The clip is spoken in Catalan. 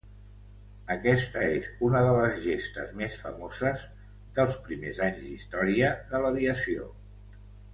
Aquesta és una de les gestes més famoses dels primers anys d'història de l'aviació.